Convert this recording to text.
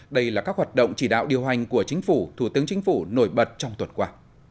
đây là các hoạt động chỉ đạo điều hành của chính phủ thủ tướng chính phủ nổi bật trong tuần qua